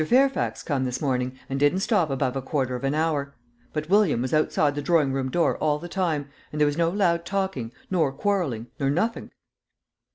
Fairfax come this morning, and didn't stop above a quarter of a hour; but William was outside the droring room door all the time, and there was no loud talking, nor quarrelling, nor nothink."